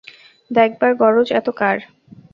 দেখবার গরজ এত কার।